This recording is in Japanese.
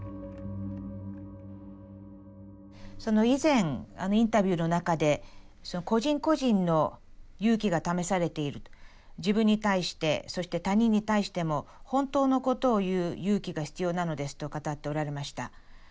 以前インタビューの中で個人個人の勇気が試されている自分に対してそして他人に対しても本当のことを言う勇気が必要なのですと語っておられました。